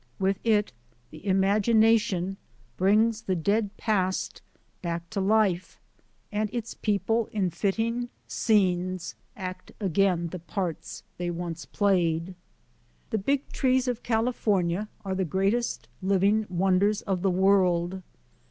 With it the imagination brings the dead past back to life, and its people in fitting scenes act again the parts they once played. The Big Trees of California are the greatest liv ing wonders of the world.